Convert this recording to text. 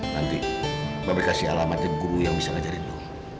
nanti be kasih alamat dari guru yang bisa ngajarin lo